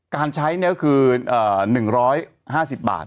การใช้เนี่ยก็คือ๑๕๐บาท